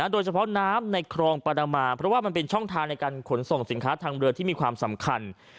โดยเฉพาะน้ำในครองปานามาเพราะว่ามันเป็นช่องทางในการขนส่งสินค้าทางเรือที่มีความสำคัญ